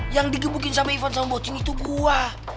yang digebukin sama ivan sama bocin itu gue